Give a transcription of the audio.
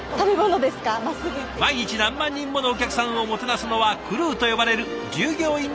毎日何万人ものお客さんをもてなすのは「クルー」と呼ばれる従業員の皆さん。